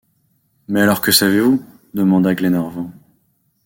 Mais alors que savez-vous ? demanda Glenarvan.